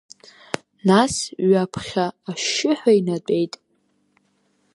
Нас ҩаԥхьа ашьшьыҳәа инатәеит.